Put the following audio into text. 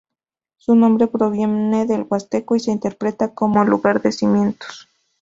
Su nombre proviene del huasteco y se interpreta como: ""Lugar de cimientos"".